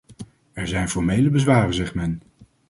Er zijn formele bezwaren, zegt men.